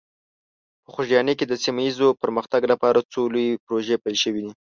په خوږیاڼي کې د سیمه ایز پرمختګ لپاره څو لویې پروژې پیل شوي دي.